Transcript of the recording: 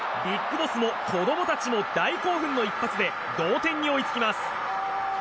ＢＩＧＢＯＳＳも子供たちも大興奮の一発で同点に追いつきます。